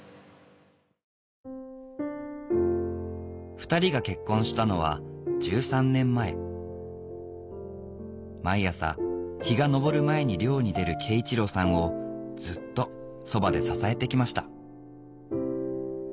２人が結婚したのは１３年前毎朝日が昇る前に漁に出る恵一郎さんをずっとそばで支えてきました